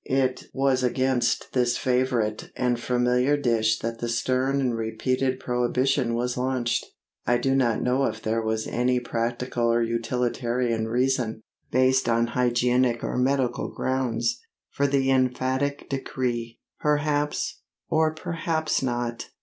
It was against this favourite and familiar dish that the stern and repeated prohibition was launched. I do not know if there was any practical or utilitarian reason, based on hygienic or medical grounds, for the emphatic decree. Perhaps, or perhaps not.